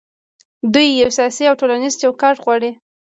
دوی یو سیاسي او ټولنیز چوکاټ غواړي.